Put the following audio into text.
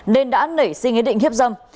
nên đã nảy sinh ý định hiếp dâm